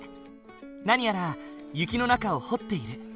何やら雪の中を掘っている。